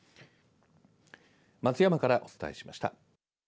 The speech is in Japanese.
松山からお伝えしました。